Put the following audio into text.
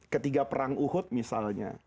ketiga perang uhud misalnya